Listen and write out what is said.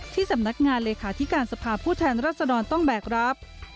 ที่สำนักงานเลขาธิการสภาพผู้แทนรัศดรต้องแบกรับ